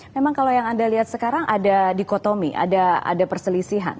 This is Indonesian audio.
memang kalau yang anda lihat sekarang ada dikotomi ada perselisihan